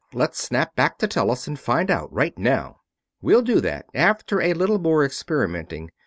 Let's snap back to Tellus and find out, right now." "We'll do that, after a little more experimenting.